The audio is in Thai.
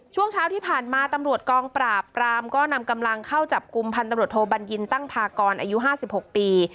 ช่วงเช้าที่ผ่านมาตำรวจกองปราบปรามก็นำกำลังเข้าจับกลุ่มพันตำรวจโทบัญญินตั้งพากรอายุ๕๖ปี